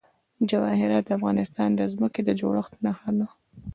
جواهرات د افغانستان د ځمکې د جوړښت نښه ده.